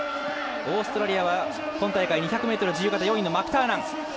オーストラリアは今大会２００ｍ自由形４位のマクターナン。